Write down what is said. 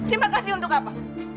terima kasih untuk apa